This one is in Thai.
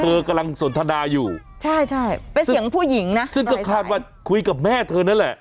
กำลังสนทนาอยู่ใช่ใช่เป็นเสียงผู้หญิงนะซึ่งก็คาดว่าคุยกับแม่เธอนั่นแหละ